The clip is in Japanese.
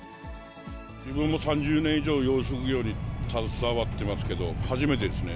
自分も３０年以上、養殖業に携わってますけど、初めてですね。